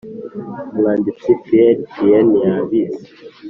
umwanditsi pierre péan yabise.